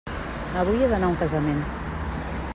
Avui he d'anar a un casament.